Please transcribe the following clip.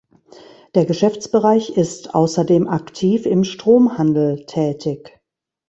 Der Geschäftsbereich ist ausserdem aktiv im Stromhandel tätig.